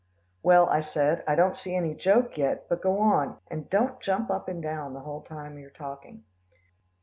"Well," I said. "I don't see any joke yet, but go on, and don't jump up and down the whole time you're talking."